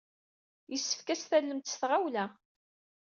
Yessefk ad t-tallem s tɣawla!